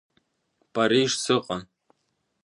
Париж сыҟан.